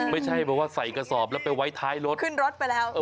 ไม่ใช่แบบว่าใส่กระสอบแล้วไปไว้ท้ายรถขึ้นรถไปแล้ว